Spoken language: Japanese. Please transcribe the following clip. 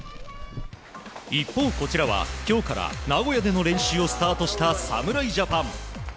一方、こちらは今日から名古屋での練習をスタートした侍ジャパン。